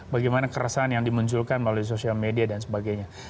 bagaimana keresahan yang dimunculkan melalui sosial media dan sebagainya